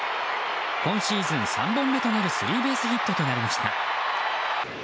今シーズン３本目となるスリーベースヒットとなりました。